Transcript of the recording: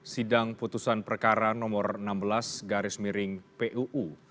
sidang putusan perkara nomor enam belas garis miring puu